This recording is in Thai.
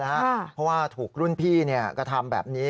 เพราะว่าถูกรุ่นพี่กระทำแบบนี้